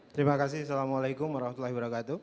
terima kasih assalamualaikum wr wb